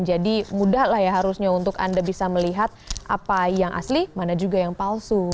jadi mudah lah ya harusnya untuk anda bisa melihat apa yang asli mana juga yang palsu